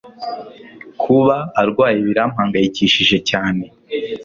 Kuba arwaye birampangayikishije cyane